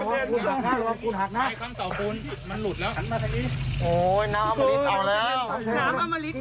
มันขายแล้วอ๋อมันอีก